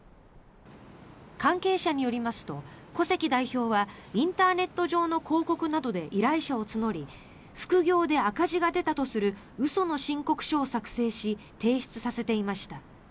関係者によりますと古関代表はインターネット上の広告などで依頼者を募り副業で赤字が出たとする嘘の申告書を作成し提出させていました。